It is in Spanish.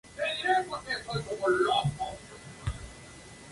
Servicios e infraestructura básica.